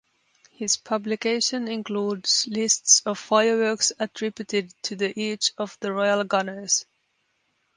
His publication includes lists of fireworks attributed to the each of the royal gunners.